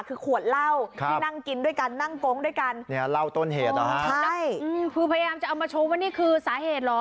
คือขวดเหล้าที่นั่งกินด้วยกันนั่งโก๊งด้วยกันเนี่ยเล่าต้นเหตุเหรอฮะใช่คือพยายามจะเอามาชมว่านี่คือสาเหตุเหรอ